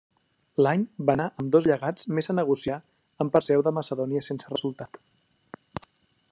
L'any va anar amb dos llegats més a negociar amb Perseu de Macedònia sense resultat.